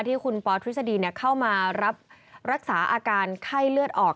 ที่คุณปอทฤษฎีเข้ามารับรักษาอาการไข้เลือดออก